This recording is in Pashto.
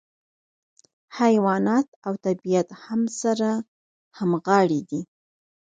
حیوانات او طبیعت هم سره همغاړي دي.